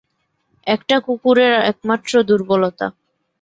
একটা কুকুরের একমাত্র দুর্বলতা।